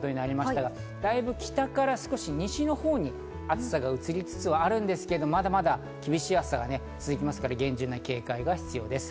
だいぶ北から少し西のほうに暑さが移りつつはあるんですけど、まだ厳しい暑さが続いていますから厳重な警戒が必要です。